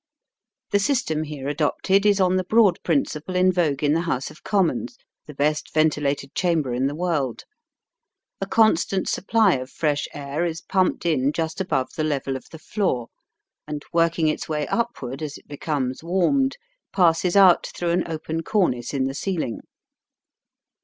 The system here adopted is on the broad principle in vogue in the House of Commons, the best ventilated Chamber in the world. A constant supply of fresh air is pumped in just above the level of the floor, and, working its way. upward as it becomes warmed, passes out through an open cornice in the ceiling.